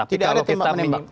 tidak ada tembak menembak